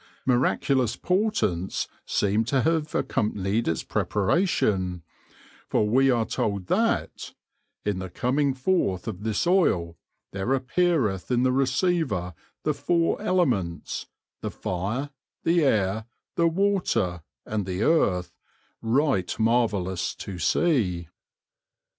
Miraculous portents seem to have accompanied its preparation, for we are told that " in the coming forth of this Oile there appeareth in the Receiver the foure Elements, the Fire, the Aire, the Water, and the Earth, right marvellous to see."